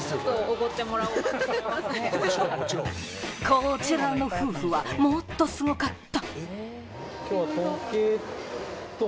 こちらの夫婦はもっとすごかった！